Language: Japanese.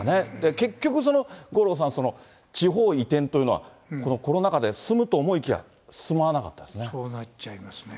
結局、五郎さん、地方移転というのは、このコロナ禍で進むと思いきや、進まなかったですね。